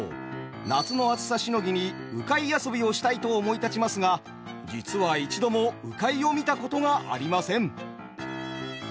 夏の暑さしのぎに「鵜飼遊び」をしたいと思い立ちますが実は一度も鵜飼を見たことがありません。